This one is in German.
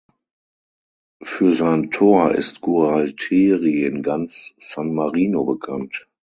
Für sein Tor ist Gualtieri in ganz San Marino bekannt.